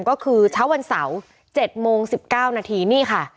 ก็คือเช้าวันเสาร์๗โมง๑๙นาทีนี่ค่ะ